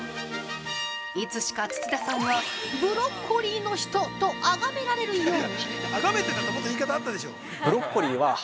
いつしか土田さんは、「ブロッコリーの人」とあがめられるように。